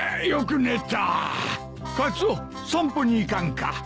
カツオ散歩に行かんか？